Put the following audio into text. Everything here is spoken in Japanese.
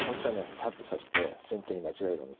サッと指して先手に間違えろみたいなね。